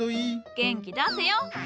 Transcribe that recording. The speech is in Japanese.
元気出せよ。